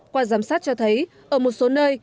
qua giám sát cho thấy ở một số nơi